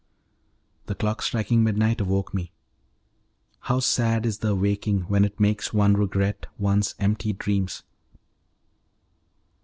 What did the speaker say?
The clock striking midnight awoke me. How sad is the awaking when it makes one regret one's empty dreams.